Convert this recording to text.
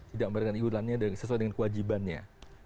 tidak memberikan iurannya sesuai dengan kewajibannya